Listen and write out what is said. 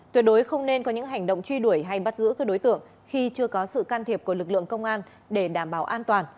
tuyệt đối không nên có những hành động truy đuổi hay bắt giữ các đối tượng khi chưa có sự can thiệp của lực lượng công an để đảm bảo an toàn